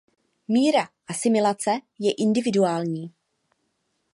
Míra asimilace je individuální.